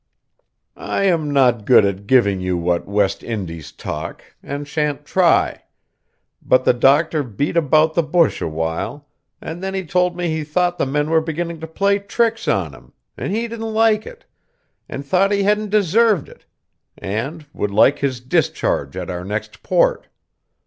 I am not good at giving you that West Indies talk, and sha'n't try; but the doctor beat about the bush awhile, and then he told me he thought the men were beginning to play tricks on him, and he didn't like it, and thought he hadn't deserved it, and would like his discharge at our next port.